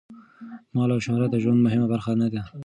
مال او شهرت د ژوند مهمه برخه نه دي.